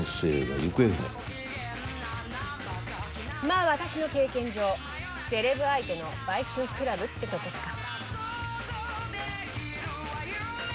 まあ私の経験上セレブ相手の売春クラブってとこか。